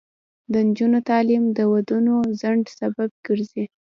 د نجونو تعلیم د ودونو ځنډ سبب ګرځي.